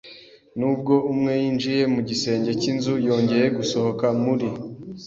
nubwo umwe yinjiye mu gisenge cy'inzu-yongeye gusohoka muri